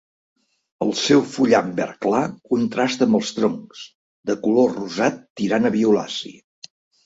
El seu fullam verd clar contrasta amb els troncs, de color rosat tirant a violaci.